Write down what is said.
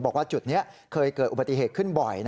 บอกว่าจุดนี้เคยเกิดอุบัติเหตุขึ้นบ่อย